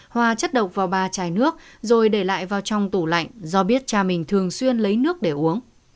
hoa chất độc vào ba chai nước rồi để lại vào trong tủ lạnh do biết cha mình thường xuyên lấy nước để uống